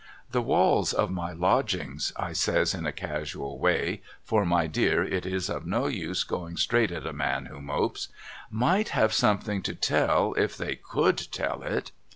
' The walls of my Lodgings ' I says in a casual way — for my dear it is of no use going straight at a man who mopes —' might have something to tell if they could tell it.'